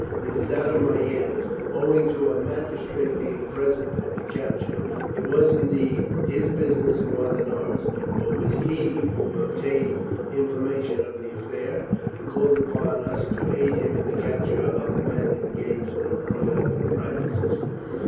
"It is out of my hands, owing to a magistrate being present at the capture. It was, indeed, his business more than ours; for it was he who obtained information of the affair, and called upon us to aid him in the capture of men engaged in unlawful practices.